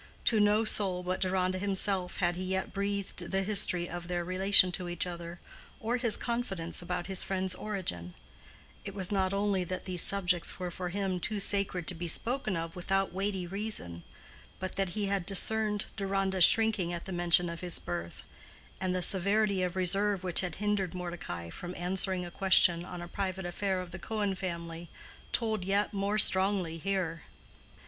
To no soul but Deronda himself had he yet breathed the history of their relation to each other, or his confidence about his friend's origin: it was not only that these subjects were for him too sacred to be spoken of without weighty reason, but that he had discerned Deronda's shrinking at any mention of his birth; and the severity of reserve which had hindered Mordecai from answering a question on a private affair of the Cohen family told yet more strongly here.